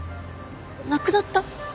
亡くなった？